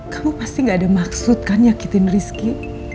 kamu pasti gak ada maksud kan nyakitin rizki